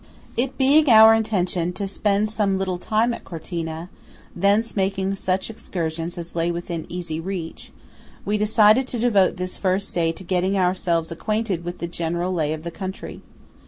It being our intention to spend some little time at Cortina, thence making such excursions as lay within easy reach, we decided to devote this first day to getting ourselves acquainted with the general "lay" of the country.